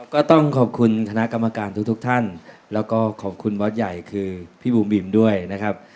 ก็ต้องขอบคุณคณะกรรมการทุกท่านแล้วก็ขอบคุณบอสใหญ่คือพี่บูมบิมด้วยนะครับ